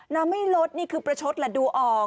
น้ำไม่ลดนี่คือประชดแหละดูออก